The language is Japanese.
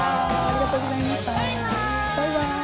バイバイ！